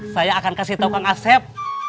saya akan kasih tahu kang aset